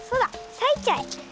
さいちゃえ！